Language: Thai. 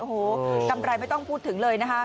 โอ้โหกำไรไม่ต้องพูดถึงเลยนะคะ